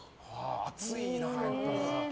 熱いな。